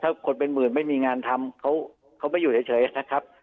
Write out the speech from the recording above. ถ้าคนเป็นหมื่นไม่มีงานทำเขาไม่อยู่เฉยนะครับ